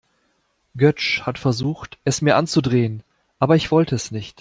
Götsch hat versucht, es mir anzudrehen, aber ich wollte es nicht.